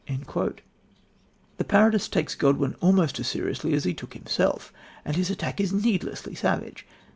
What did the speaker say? " The parodist takes Godwin almost as seriously as he took himself, and his attack is needlessly savage.